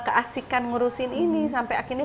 keasikan ngurusin ini sampai akhirnya